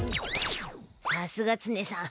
さすがツネさん。